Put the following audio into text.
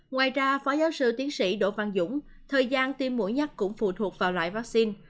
ngoài ra phó giáo sư tiến sĩ đỗ văn dũng thời gian tiêm mũi nhắc cũng phụ thuộc vào loại vaccine